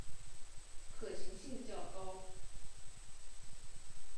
可行性较高